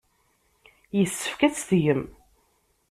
Yessefk ad tt-tgem.